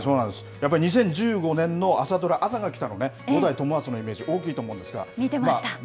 やっぱり２０１５年の朝ドラ、あさが来たの五代友厚のイメージ、大きいと思うんですが。